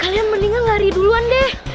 kalian mendingan lari duluan dek